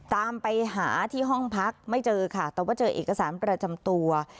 ตามไปหาที่ห้องพักไม่เจอค่ะแต่ว่าเจอเอกสารประจำตัว